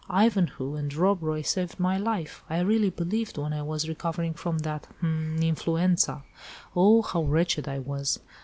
Ivanhoe and Rob Roy saved my life, I really believe, when I was recovering from that—hm—'influenza.' Oh, how wretched I was!